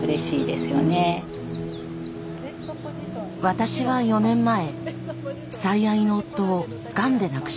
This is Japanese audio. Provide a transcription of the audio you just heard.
私は４年前最愛の夫をがんで亡くしました。